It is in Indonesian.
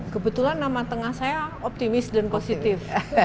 kebetulan nama tengah saya optimis dan positif